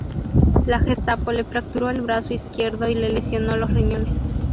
La Gestapo le fracturó el brazo izquierdo y le lesionó los riñones.